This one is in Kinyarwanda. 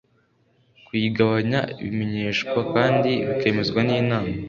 kuyigabanya bimenyeshwa kandi bikemezwa n’inama